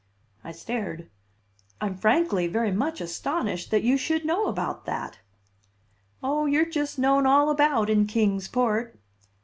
I stared. "I'm frankly very much astonished that you should know about that!" "Oh, you're just known all about in Kings Port."